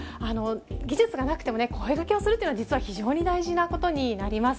技術がなくても声かけをするというのは、実は非常に大事なことになります。